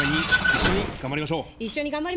一緒に頑張りましょう。